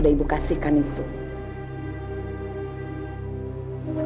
dari mana aku tersenyum sebelum ini